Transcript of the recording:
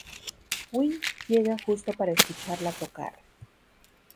Will llega justo para escucharla tocar.